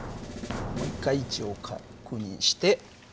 もう一回位置を確認して。